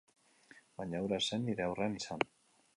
Baina hura ez zen nire aurrean izan.